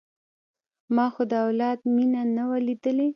ما خو د اولاد مينه نه وه ليدلې.